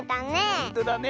ほんとだね。